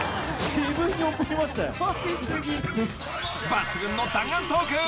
［抜群の弾丸トーク］